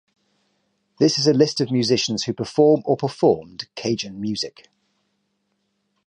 This is a list of musicians who perform or performed Cajun music.